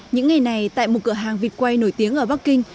những ngày này tại một cửa hàng vịt quay nổi tiếng ở bắc kinh